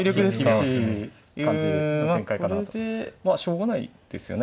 しょうがないですよね